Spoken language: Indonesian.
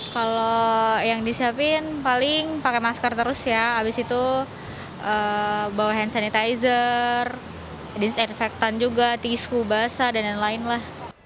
kalau yang disiapin paling pakai masker terus ya abis itu bawa hand sanitizer disinfektan juga tisu basah dan lain lain lah